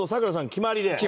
決まりで。